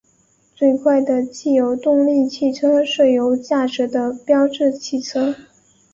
最快的汽油动力汽车是由驾驶的标致汽车。